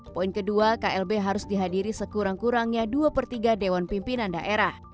poin kedua klb harus dihadiri sekurang kurangnya dua per tiga dewan pimpinan daerah